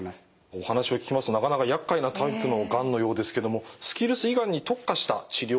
お話を聞きますとなかなかやっかいなタイプのがんのようですけどもスキルス胃がんに特化した治療などはあるんでしょうか？